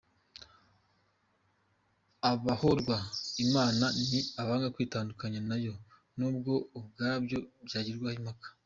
Abahorwa Imana ni abanga kwitandukanya nayo n’ubwo ubwabyo byagirwaho impaka.